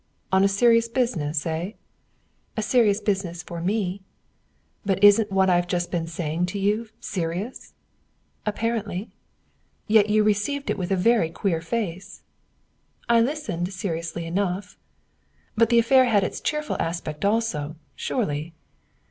"On a serious business, eh?" "A serious business for me." "But isn't what I've just been saying to you serious?" "Apparently." "Yet you received it with a very queer face." "I listened seriously enough." "But the affair had its cheerful aspect also, surely?"